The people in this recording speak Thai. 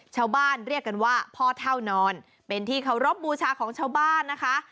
ชาวบ้านเรียกกันว่าพ่อเท่านอนเป็นที่เคารพบูชาของชาวบ้านนะคะ